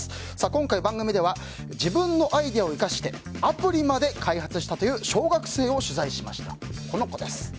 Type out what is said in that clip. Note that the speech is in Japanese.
今回、番組では自分のアイデアを生かしてアプリまで開発したという小学生を取材しました。